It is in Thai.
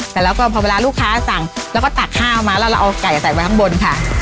แต่แล้วก็พอเวลาลูกค้าสั่งแล้วก็ตักข้าวมาแล้วเราเอาไก่ใส่ไว้ข้างบนค่ะ